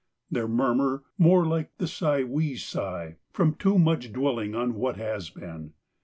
Their murmur more like the sigh we sigh From too much dwelling on what has been.